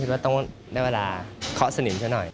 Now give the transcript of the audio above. ว่าต้องได้เวลาเคาะสนิมซะหน่อย